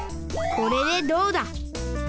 これでどうだ。